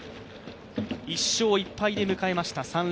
１勝１敗で迎えました